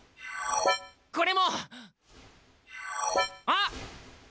これも！あっ！